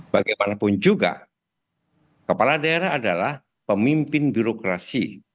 bagaimanapun juga kepala daerah adalah pemimpin birokrasi